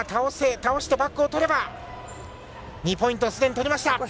倒してバックを取れば２ポイントすでに取りました。